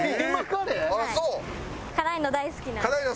辛いの大好きなんで。